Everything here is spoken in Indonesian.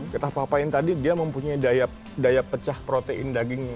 getah papain tadi dia mempunyai daya pecah protein daging